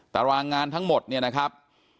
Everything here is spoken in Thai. ตารางงานทั้งหมดเนี่ยนะครับ